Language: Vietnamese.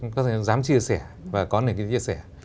có thể dám chia sẻ và có nền kinh chia sẻ